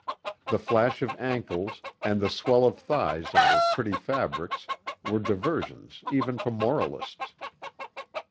The flash of ankles and the swell of thighs under pretty fabrics were diversions even for moralists.